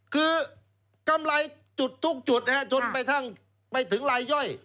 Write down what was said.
คือกำไรจุดทุกจุดจนไปทั้งไปถึงลายย่อย